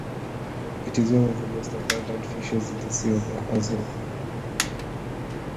It is one of the most abundant fishes in the Sea of Azov.